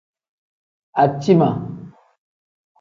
Aciima.